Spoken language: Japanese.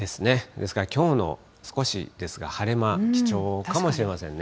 ですからきょうの、少しですが、晴れ間、貴重かもしれませんね。